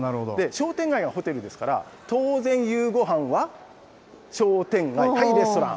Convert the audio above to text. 商店街のホテルですから、当然夕ごはんは商店街、はいレストラン。